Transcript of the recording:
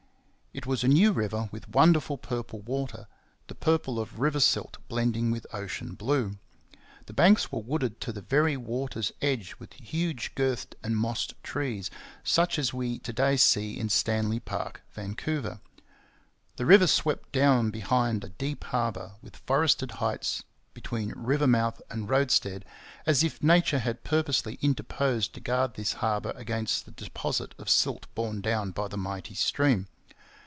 It was a new river, with wonderful purple water the purple of river silt blending with ocean blue. The banks were wooded to the very water's edge with huge girthed and mossed trees, such as we to day see in Stanley Park, Vancouver. The river swept down behind a deep harbour, with forested heights between river mouth and roadstead, as if nature had purposely interposed to guard this harbour against the deposit of silt borne down by the mighty stream.